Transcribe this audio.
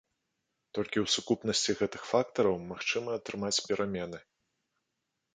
Толькі ў сукупнасці гэтых фактараў магчыма атрымаць перамены.